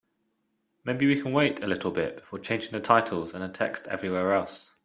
Maybe we can wait a little bit before changing the titles and the text everywhere else?